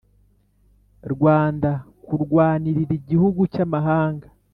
Rwanda kurwanirira igihugu cy amahanga